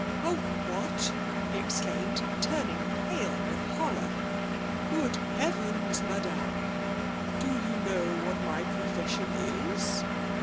'A what?' he exclaimed, turning pale with horror. 'Good heavens, Madame, do you know what my profession is?'